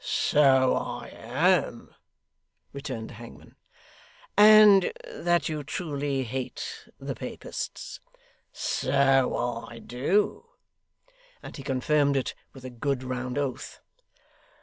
'So I am,' returned the hangman. 'And that you truly hate the Papists.' 'So I do,' and he confirmed it with a good round oath.